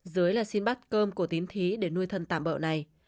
dưới là xin bắt cơm của tín thí để nuôi thân tạm bậu này